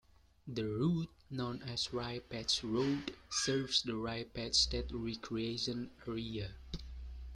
The route, known as Rye Patch Road, serves the Rye Patch State Recreation Area.